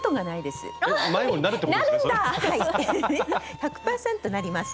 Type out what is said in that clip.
１００％なります。